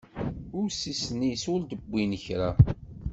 Ussisen-is ur d-wwin kra.